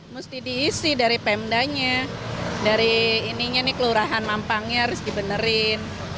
mesti diisi dari pemdanya dari ininya nih kelurahan mampangnya harus dibenerin